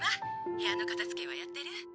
部屋のかたづけはやってる？